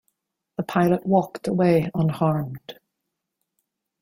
The pilot walked away unharmed.